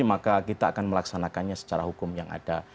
maka kita akan melaksanakannya secara hukum yang ada